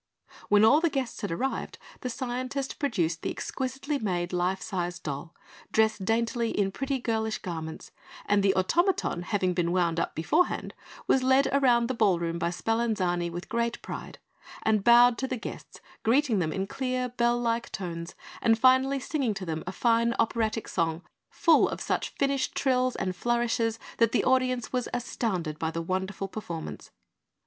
When all the guests had arrived, the scientist produced the exquisitely made life sized doll, dressed daintily in pretty girlish garments; and the automaton, having been wound up beforehand, was led round the ball room by Spallanzani with great pride, and bowed to the guests, greeting them in clear, bell like tones, and finally singing to them a fine operatic song, full of such finished trills and flourishes that the audience was astounded by the wonderful performance.